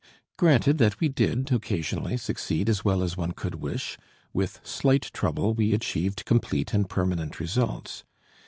Granted that we did occasionally succeed as well as one could wish; with slight trouble we achieved complete and permanent results.